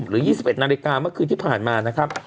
หรือ๒๑นาฬิกาเมื่อคืนที่ผ่านมานะครับ